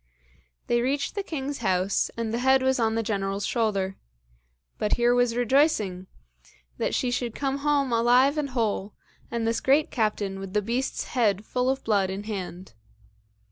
They reached the king's house, and the head was on the General's shoulder. But here was rejoicing, that she should come home alive and whole, and this great captain with the beast's head full of blood in hand.